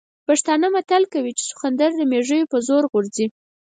پښتانه متل کوي چې سخوندر د مېږوي په زور غورځي.